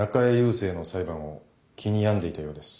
聖の裁判を気に病んでいたようです。